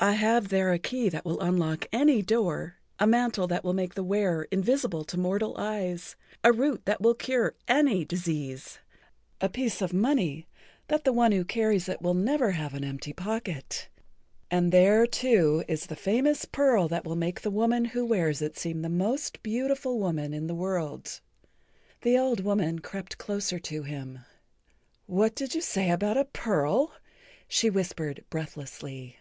I have there a key that will unlock any door, a mantle that will make the[Pg 55] wearer invisible to mortal eyes, a root that will cure any disease, a piece of money that the one who carries it will never have an empty pocket, and there, too, is the famous pearl that will make the woman who wears it seem the most beautiful woman in the world." The old woman crept closer to him. "What did you say about a pearl?" she whispered breathlessly.